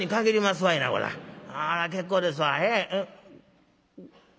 あら結構ですわ」。